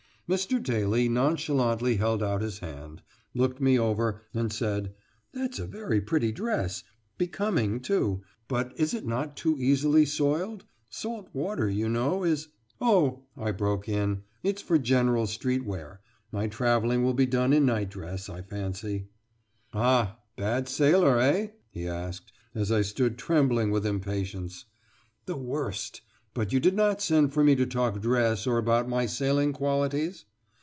Mr. Daly nonchalantly held out his band, looked me over, and said: "That's a very pretty dress becoming too but is it not too easily soiled? Salt water you know is " "Oh," I broke in, "it's for general street wear my travelling will be done in nightdress, I fancy." "Ah, bad sailor, eh?" he asked, as I stood trembling with impatience. "The worst! But you did not send for me to talk dress or about my sailing qualities?"